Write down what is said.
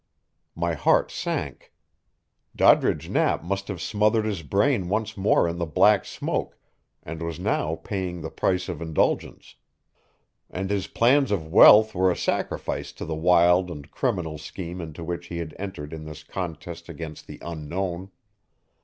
My heart sank. Doddridge Knapp must have smothered his brain once more in the Black Smoke, and was now paying the price of indulgence. And his plans of wealth were a sacrifice to the wild and criminal scheme into which he had entered in his contest against the Unknown.